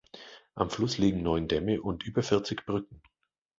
Am Fluss liegen neun Dämme und über vierzig Brücken.